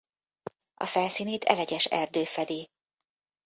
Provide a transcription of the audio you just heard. A felszínét elegyes erdő fedi.